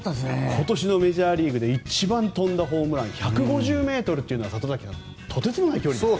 今年のメジャーリーグで一番飛んだホームラン１５０ｍというのは、里崎さんとてつもない距離ですよね。